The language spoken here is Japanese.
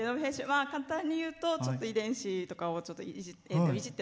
簡単に言うとちょっと遺伝子とかをいじって。